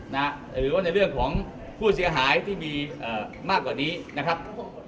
หรือว่าในเรื่องของผู้เสียหายที่มีมากกว่านี้นะครับ